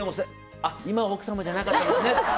あ、今は奥様じゃなかったですねって。